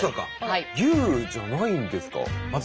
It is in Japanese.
牛じゃないんですか？